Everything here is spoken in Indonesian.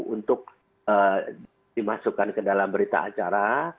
untuk dimasukkan ke dalam berita acara